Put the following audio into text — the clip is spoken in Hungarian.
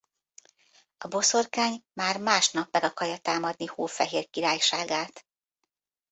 A boszorkány már másnap meg akarja támadni Hófehér királyságát.